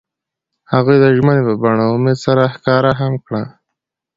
هغوی د ژمنې په بڼه امید سره ښکاره هم کړه.